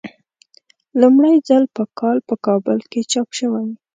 لومړی ځل په کال په کابل کې چاپ شوی.